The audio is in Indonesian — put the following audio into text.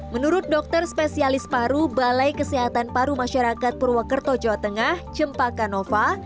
menurut dokter spesialis paru balai kesehatan paru masyarakat purwakerto jawa tengah jempa kanova